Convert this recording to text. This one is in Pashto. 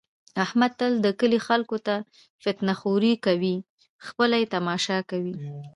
احمد تل د کلي خلکو کې فتنه خوره کوي، خپله یې تماشا کوي.